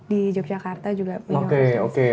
di yogyakarta juga punya